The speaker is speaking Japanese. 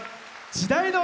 「時代の海」